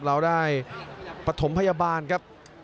เราได้ปฐมพยาบาลครับ